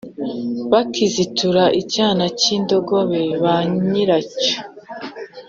Bakizitura icyana cy indogobe ba nyiracyo